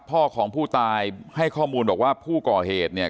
พ่อของผู้ตายให้ข้อมูลบอกว่าผู้ก่อเหตุเนี่ย